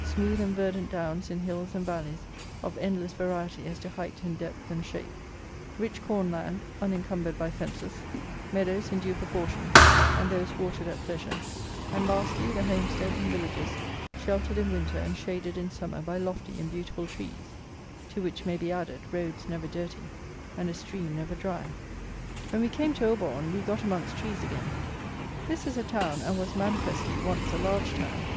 Smooth and verdant downs in hills and valleys of endless variety as to height and depth and shape; rich corn land, unencumbered by fences; meadows in due proportion, and those watered at pleasure; and, lastly, the homesteads, and villages, sheltered in winter and shaded in summer by lofty and beautiful trees; to which may be added, roads never dirty and a stream never dry. When we came to Auborne, we got amongst trees again. This is a town, and was, manifestly, once a large town.